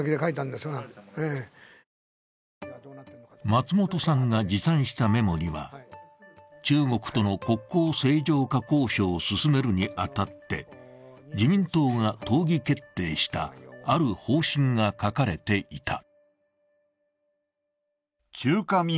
松本さんが持参したメモには中国との国交正常化交渉を進めるに当たって、自民党が党議決定したある方針が書かれていた。